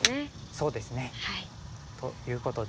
そうですね。ということで。